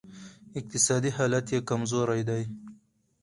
اقتصادي حالت یې کمزوری دی